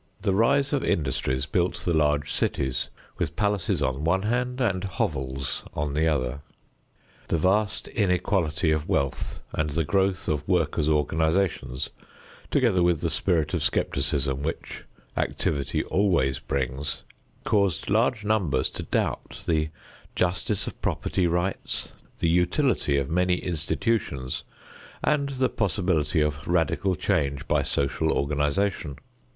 The rise of industries built the large cities, with palaces on one hand and hovels on the other. The vast inequality of wealth and the growth of workers' organizations, together with the spirit of skepticism which activity always brings, caused large numbers to doubt the justice of property rights, the utility of many institutions and the possibility of radical change by social organization.